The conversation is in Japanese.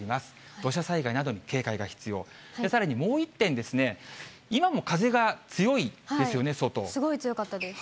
土砂災害などに警戒が必要、さらにもう１点ですね、今も風がすごい強かったです。